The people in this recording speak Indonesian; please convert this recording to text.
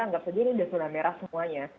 anggap saja ini sudah zona merah semuanya